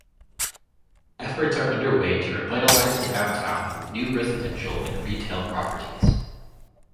Efforts are underway to revitalize the downtown with new residential and retail properties.